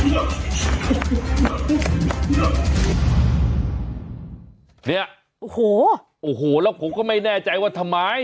เนี่ยโอ้โหโอ้โหแล้วผมก็ไม่แน่ใจว่าทำไม